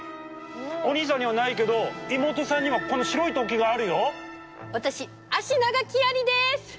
お兄さんにはないけど妹さんにはこの白い突起があるよ！